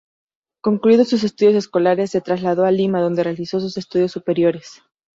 Concluidos sus estudios escolares, se trasladó a Lima, donde realizó sus estudios superiores.